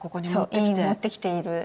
絵に持ってきている。